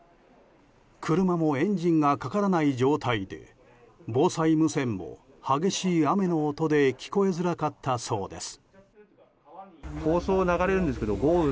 車もエンジンがかからない状態で防災無線も激しい雨の音で聞こえづらかったそうです。